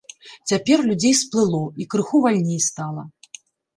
Цяпер людзей сплыло, і крыху вальней стала.